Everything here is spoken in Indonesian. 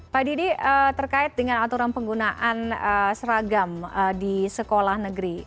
pak didi terkait dengan aturan penggunaan seragam di sekolah negeri